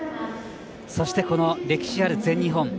そして、この歴史ある全日本。